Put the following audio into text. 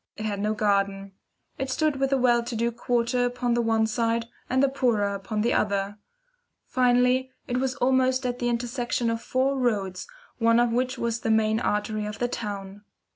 It had no garden. It stood with the well to do quarter upon the one side, and the poorer upon the other. Finally, it was almost at the intersection of four roads, one of which was a main artery of the town.